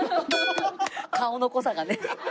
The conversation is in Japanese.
顔の濃さがね。